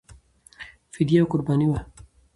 فدیه او قرباني وه.